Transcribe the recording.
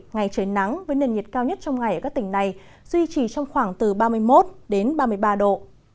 ngày trời nắng với nền nhiệt cao nhất trong ngày ở các tỉnh này duy trì trong khoảng từ ba mươi một ba mươi ba độ